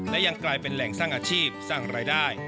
และยังกลายเป็นแหล่งสร้างอาชีพสร้างรายได้